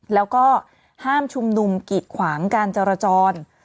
แล้วก็ห้ามชุมนุมกิดขวางการจรจร